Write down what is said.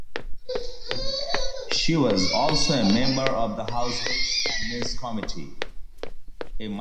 She was also a member of the House Ways and Means Committee.